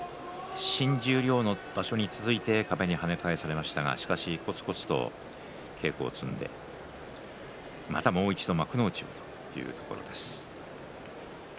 新十両の場所に続いて壁に跳ね返されましたがこつこつと稽古を積んでまたもう一度、幕内をというところです。